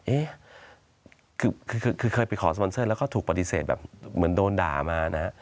อ่ะเคยไปของสปอนเซอร์แล้วถูกปฏิเสธแบบเหมือนโดนด่ามา